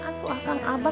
aku akan abah